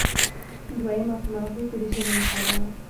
دویمه په مغزو کې د ژبې مطالعه وه